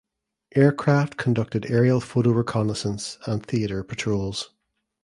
Aircraft conducted aerial photo reconnaissance and theater patrols.